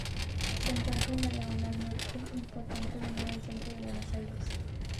Se encuentra en la Diagonal Norte, importante avenida del centro de Buenos Aires.